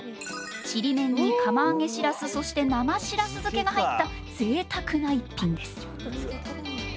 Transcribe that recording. ちりめんに釜揚げしらすそして生しらす漬けが入ったぜいたくな一品です。